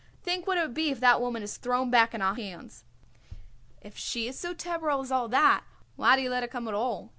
Think what it would be if that woman is thrown back on our hands." "If she is so terrible as all that why do you let her come at all?"